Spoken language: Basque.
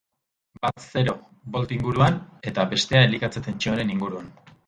Bat zero volt inguruan eta bestea elikatze tentsioaren inguruan.